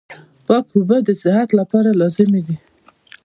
پاکي اوبه د صحت لپاره لازمي دي.